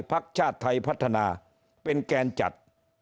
พักชาติไทยพัฒนาเป็นแกนจัด